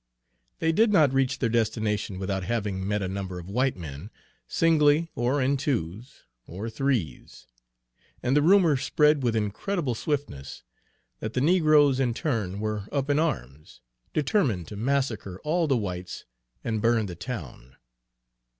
They did not reach their destination without having met a number of white men, singly or in twos or threes; and the rumor spread with incredible swiftness that the negroes in turn were up in arms, determined to massacre all the whites and burn the town.